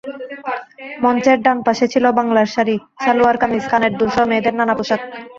মঞ্চের ডান পাশে ছিল বাংলার শাড়ি, সালোয়ার-কামিজ, কানের দুলসহ মেয়েদের নানা পোশাক।